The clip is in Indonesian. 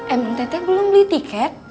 emang teteh belum beli tiket